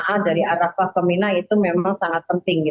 jemaah dari arafah ke nina itu memang sangat penting